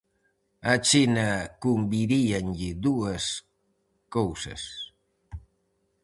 A China conviríanlle dúas cousas.